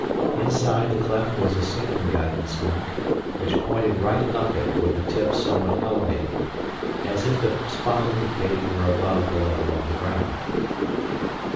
Inside the cleft was a second guidance mark, which pointed right up it with the tip somewhat elevated, as if the spot indicated were above the level of the ground.